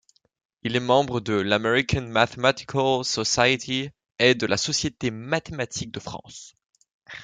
Il est membre de l’American Mathematical Society et de la Société mathématique de France.